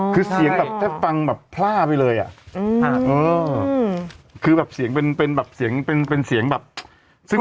คือแบบเสียงเป็นเสียงอย่าง